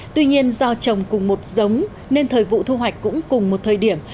tuy nhiên do trồng cùng một giống nên thời vụ thu hoạch cũng cùng một thời điểm